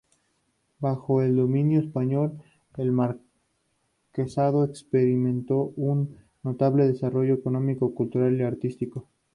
Bajo el dominio español, el marquesado experimentó un notable desarrollo económico, cultural y artístico.